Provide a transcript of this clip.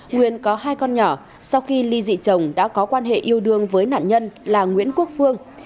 nguyên có hai con nhỏ sau khi ly dị chồng đã có quan hệ yêu đương với nạn nhân là nguyễn quốc phương